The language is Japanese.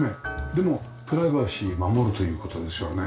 でもプライバシー守るという事ですよね。